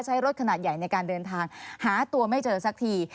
ใช้รถขนาดใหญ่ในการเดินทางหาตัวไม่เจอสักที